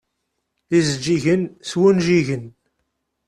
Ijeǧǧigen s wunjigen.